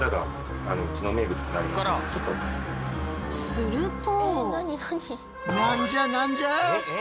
すると。